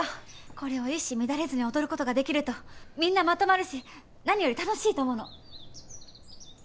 これを一糸乱れずに踊ることができるとみんなまとまるし何より楽しいと思うの。